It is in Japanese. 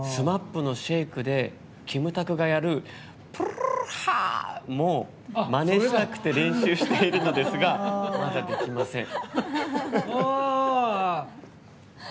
ＳＭＡＰの「ＳＨＡＫＥ」でキムタクがやるブルゥウウウウッハァアアア！！！もまねしたくて練習しているんですがまだできません。